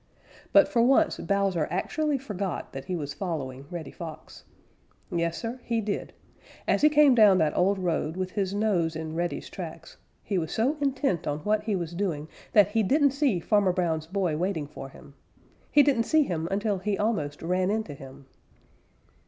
But for once Bowser actually forgot that he was following Reddy Fox. Yes, Sir, he did. As he came down that old road with his nose in Reddy's tracks, he was so intent on what he was doing that he didn't see Farmer Brown's boy waiting for him. He didn't see him until he almost ran into him.